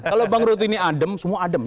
kalau bang rutin ini adem semua adem